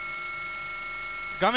画面